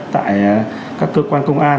tại các cơ quan công an